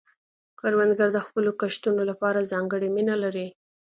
کروندګر د خپلو کښتونو لپاره ځانګړې مینه لري